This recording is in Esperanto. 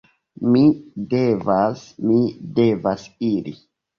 Mi devas, mi devas iri!